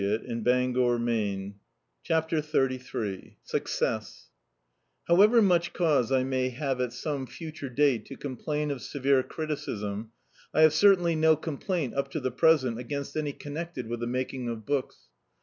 db, Google CHAPTER XXXni HOWEVER much cause I may have at some future date to complain of severe criticism, I have certainly no complaint up to the present against any connected with the making of books.